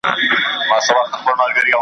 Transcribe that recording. د زلمیو تویېدل پکښي سرونه .